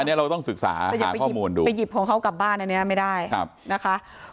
อันเนี้ยเราต้องศึกษาหาข้อมูลดูไปหยิบของเขากลับบ้านอันเนี้ยไม่ได้นะคะ